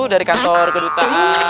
dari kantor geduta